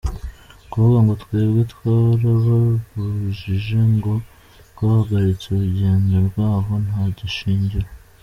Kuvuga ngo twebwe twarababujije ngo twahagaritse urugendo rwabo nta shingiro.